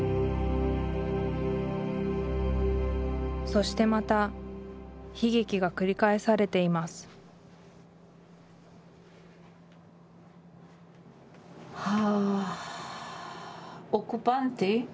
そしてまた悲劇が繰り返されていますは。